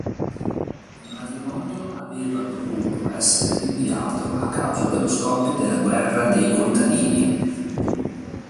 Il matrimonio aveva dovuto essere rinviato a causa dello scoppio della guerra dei contadini.